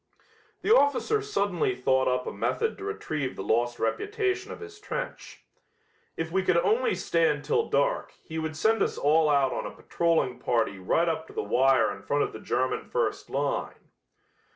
The officer suddenly thought up a method to retrieve the lost reputation of his trench. If we could only stay until dark he would send us all out on a patroling party right up to the wire in front of the German first line.